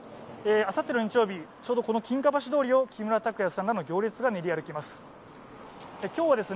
あさっての日曜日、ちょうどこの金華橋通りを木村拓哉さんらが練り歩きます。